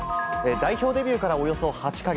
代表デビューからおよそ８か月。